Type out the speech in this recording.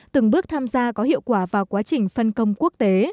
từng bước tham gia có hiệu quả vào quá trình phân công quốc tế